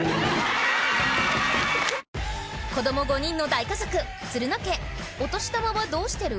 子ども５人の大家族つるの家お年玉はどうしてる？